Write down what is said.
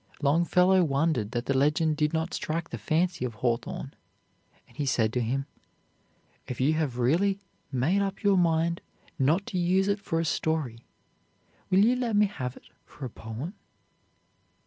Longfellow wondered that the legend did not strike the fancy of Hawthorne, and he said to him, 'If you have really made up your mind not to use it for a story, will you let me have it for a poem?'